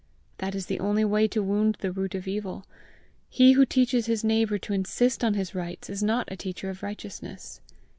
That is the only way to wound the root of evil. He who teaches his neighbour to insist on his rights, is not a teacher of righteousness.